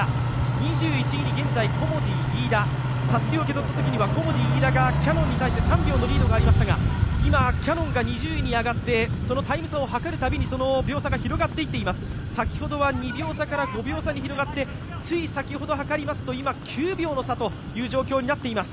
２１位に現在、コモディイイダたすきを受け取ったときにはコモディイイダがキヤノンに対して３秒のリードがありましたが今、キヤノンが２０位に上がって、そのタイム差をはかるたびにその秒差が広がっていっています、先ほどは２秒差から５秒差に広がって、つい先ほどはかりますと今、９秒の差という状況になっています。